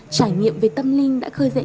trải nghiệm về tâm linh đã khơi dậy